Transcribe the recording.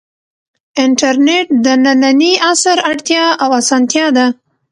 انټرنیټ د ننني عصر اړتیا او اسانتیا ده.